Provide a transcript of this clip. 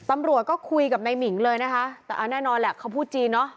ตำรวจก็คุยกับนายหมิงเลยนะคะแต่เอาแน่นอนแหละเขาพูดจีนเนอะ